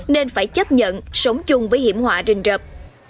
nên phải chấp nhận sống chung với hiểm họa rình rập